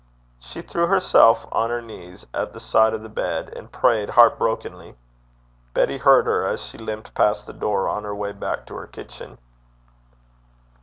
She threw herself on her knees at the side of the bed, and prayed heart brokenly. Betty heard her as she limped past the door on her way back to her kitchen.